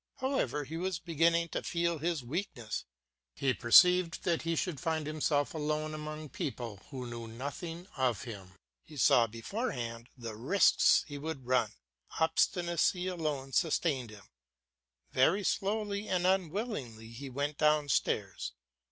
However, he was beginning to feel his weakness, he perceived that he should find himself alone among people who knew nothing of him. He saw beforehand the risks he would run; obstinacy alone sustained him; very slowly and unwillingly he went downstairs.